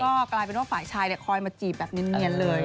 ก็กลายเป็นว่าฝ่ายชายคอยมาจีบแบบเนียนเลย